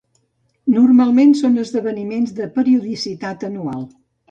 Normalment són esdeveniments de periodicitat anual.